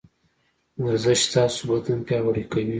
ورزش ستاسو بدن پياوړی کوي.